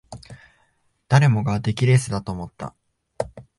誰もが出来レースだと思った